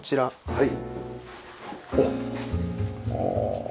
はい。